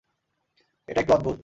এটা একটু অদ্ভুত।